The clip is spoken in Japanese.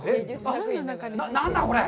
何だ、これ！